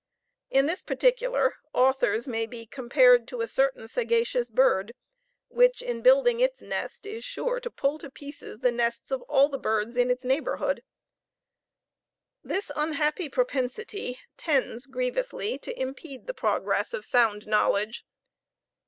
In this particular authors may be compared to a certain sagacious bird, which, in building its nest is sure to pull to pieces the nests of all the birds in its neighborhood. This unhappy propensity tends grievously to impede the progress of sound knowledge.